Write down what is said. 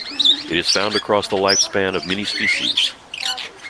It is found across the lifespan of many species.